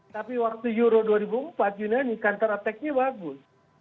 tapi waktu euro dua ribu empat juni counter attack nya bagus